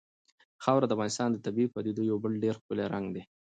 خاوره د افغانستان د طبیعي پدیدو یو بل ډېر ښکلی رنګ دی.